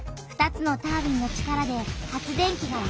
２つのタービンの力で発電機が動き